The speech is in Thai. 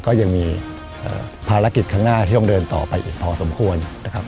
ก็ยังมีภารกิจข้างหน้าที่ต้องเดินต่อไปอีกพอสมควรนะครับ